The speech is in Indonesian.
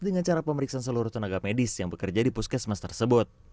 dengan cara pemeriksaan seluruh tenaga medis yang bekerja di puskesmas tersebut